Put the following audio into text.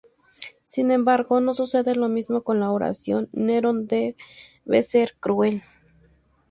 Sin embargo, no sucede lo mismo con la oración "Nerón debe ser cruel".